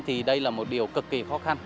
thì đây là một điều cực kỳ khó khăn